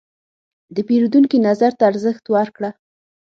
د پیرودونکي نظر ته ارزښت ورکړه.